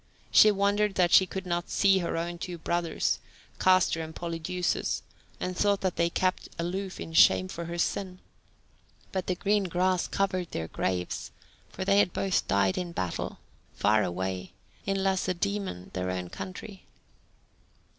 She wondered that she could not see her own two brothers, Castor and Polydeuces, and thought that they kept aloof in shame for her sin; but the green grass covered their graves, for they had both died in battle, far away in Lacedaemon, their own country.